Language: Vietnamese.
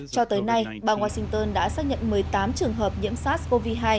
cho tới nay bang washington đã xác nhận một mươi tám trường hợp nhiễm sars cov hai